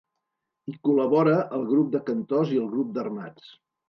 Hi col·labora el grup de cantors i el grup d'armats.